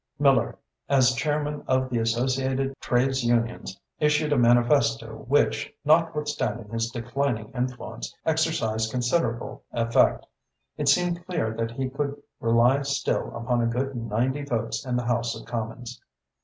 Miller, as Chairman of the Associated Trades Unions, issued a manifesto which, notwithstanding his declining influence, exercised considerable effect. It seemed clear that he could rely still upon a good ninety votes in the House of Commons.